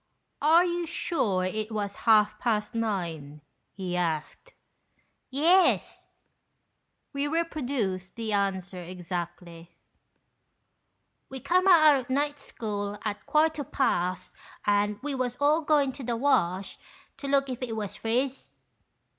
"Are you sure it was half past nine?" he asked. "Yes," (we reproduce the answer exactly), "we come out o' night school at quarter past, and we was all goin' to the Wash to look if it was friz."